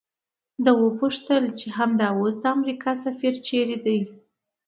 ده وپوښتل چې همدا اوس د امریکا سفیر چیرته دی؟